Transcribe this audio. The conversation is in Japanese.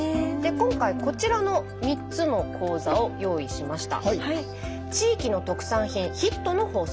今回こちらの３つの講座を用意しました。